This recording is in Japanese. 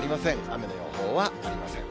雨の予報はありません。